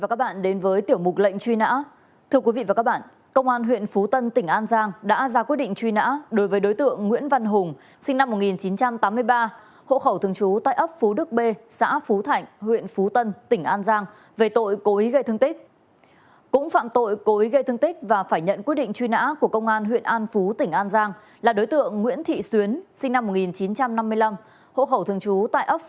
kính chào quý vị và các bạn đến với tiểu mục lệnh truy nã